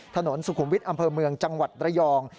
ถนนสุขุมวิทย์อำเภอเมืองจังหวัดระยอง